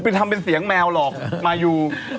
ทำเป็นเสียงแมวหรอกมายู